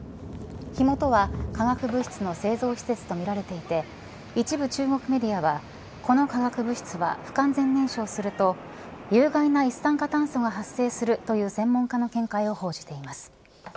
火元は化学物質の製造施設とみられていて一部中国メディアはこの化学物質は不完全燃焼すると有害な一酸化炭素が発生するという専門家の見解を報じています。